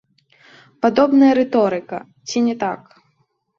Падобная рыторыка, ці не так?